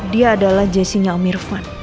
dia adalah jessy nya om irvan